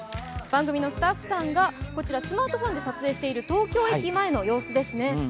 番組のスタッフさんがスマートフォンで撮影している東京駅前の様子ですね。